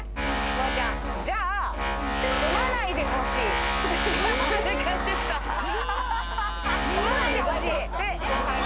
フワちゃん、じゃあ、混まないでほしい。